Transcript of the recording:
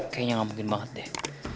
kayaknya nggak mungkin banget deh